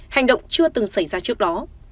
hành động chưa từng xảy ra trước đó